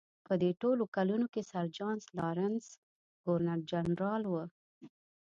په دې ټولو کلونو کې سر جان لارنس ګورنر جنرال و.